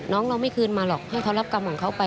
น้องเราไม่คืนมาหรอกให้เขารับกรรมของเขาไป